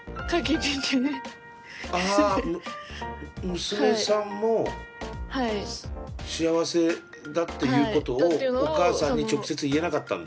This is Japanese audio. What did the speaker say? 娘さんも幸せだっていうことをお母さんに直接言えなかったんだ。